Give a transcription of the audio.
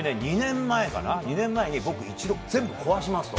２年前に僕、一度全部壊しますと。